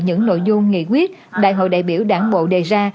những nội dung nghị quyết đại hội đại biểu đảng bộ đề ra